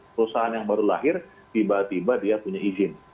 perusahaan yang baru lahir tiba tiba dia punya izin